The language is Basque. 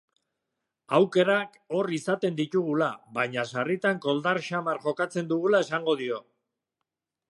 Aukerak hor izaten ditugula, baina sarritan koldar xamar jokatzen dugula esango dio.